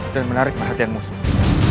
dan menarik perhatian musuh